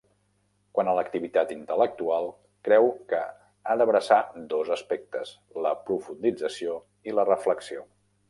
Quant a l'activitat intel·lectual, creu que ha d'abraçar dos aspectes: la profundització i la reflexió.